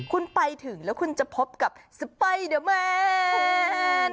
คุณไปถึงแล้วคุณจะพบกับสไปเดอร์แมน